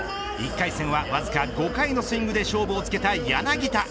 １回戦は、わずか５回のスイングで勝負をつけた柳田。